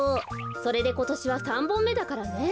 それでことしは３ぼんめだからね。